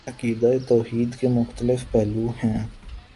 عقیدہ توحید کے مختلف پہلو ہیں